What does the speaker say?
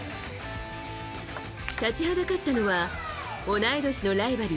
立ちはだかったのは同い年のライバル